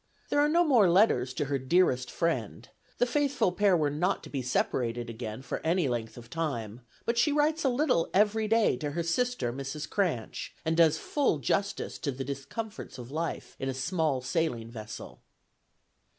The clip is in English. There are no more letters to her "dearest friend"; the faithful pair were not to be separated again for any length of time; but she writes a little every day to her sister, Mrs. Cranch, and does full justice to the discomforts of life in a small sailing vessel.